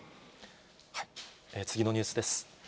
次のニュースです。